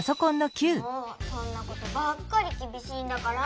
もうそんなことばっかりきびしいんだから。